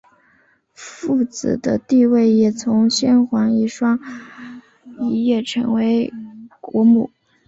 富子的地位也从先皇遗孀一跃成为国母。